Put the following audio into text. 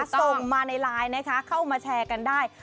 ส่งมาในไลน์นะคะเข้ามาแชร์กันได้